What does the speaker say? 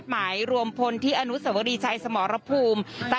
เดี๋ยวเราไปดูบรรยากาศขณะที่มีการเคลื่อนกระบวนมาจากอนุสวรีชัยสมรภูมิเมื่อช่วงบ่ายที่ผ่านมาค่ะ